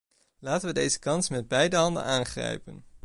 Laten we deze kans met beide handen aangrijpen.